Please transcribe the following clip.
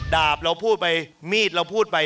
ดาบเราพูดไปมีดเราพูดไป